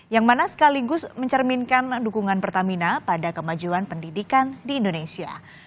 yang mana sekaligus mencerminkan dukungan pertamina pada kemajuan pendidikan di indonesia